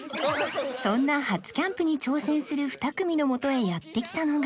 そんな初キャンプに挑戦する２組の元へやって来たのが